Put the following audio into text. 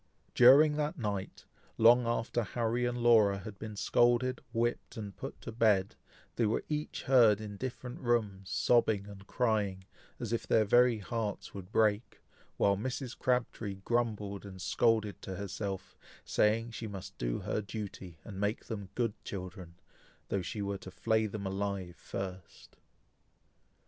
During that night, long after Harry and Laura had been scolded, whipped, and put to bed, they were each heard in different rooms, sobbing and crying, as if their very hearts would break, while Mrs. Crabtree grumbled and scolded to herself, saying she must do her duty, and make them good children, though she were to flay them alive first.